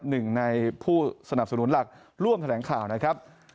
หนึ่งในผู้สนับสนุนหลักร่วมแถลงข่าวนะครับ